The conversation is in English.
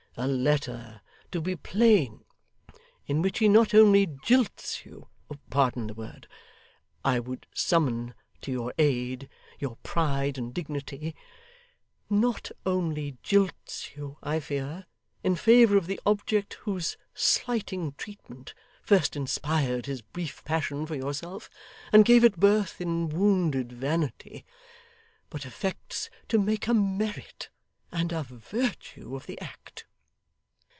A letter, to be plain, in which he not only jilts you pardon the word; I would summon to your aid your pride and dignity not only jilts you, I fear, in favour of the object whose slighting treatment first inspired his brief passion for yourself and gave it birth in wounded vanity, but affects to make a merit and a virtue of the act.